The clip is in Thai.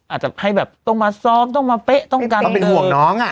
อาจจะให้แบบต้องมาซ้อมต้องมาเป๊ะต้องการเป็นห่วงน้อง